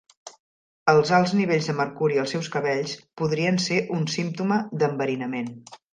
Els alts nivells de mercuri als seus cabells podrien ser un símptoma d'enverinament.